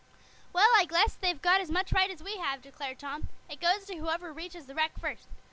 "Well, I guess they've got as much right as we have," declared Tom. "It goes to whoever reaches the wreck first.